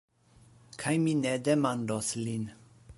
Kaj mi ne demandos lin.